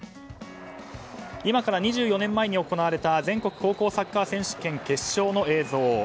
今から２４年前に行われた全国高校サッカー選手権決勝の映像。